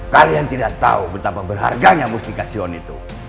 kalian tidak tahu betapa berharganya mustikasion itu